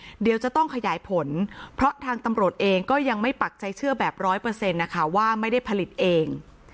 เดี๋ยวจะต้องขยายผลเพราะทางตำรวจเองก็ยังไม่ปักใจเชื่อแบบร้อยเปอร์เซ็นต์นะคะว่าไม่ได้ผลิตเอง